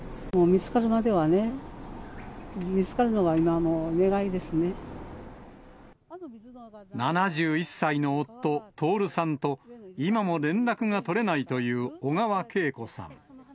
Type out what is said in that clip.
見つかるまではね、７１歳の夫、徹さんと今も連絡が取れないという小川けい子さん。